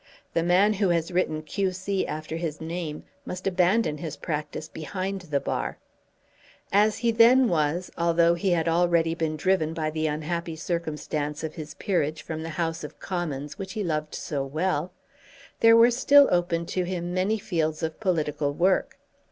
The man who has written Q.C. after his name must abandon his practice behind the bar. As he then was, although he had already been driven by the unhappy circumstance of his peerage from the House of Commons which he loved so well, there were still open to him many fields of political work.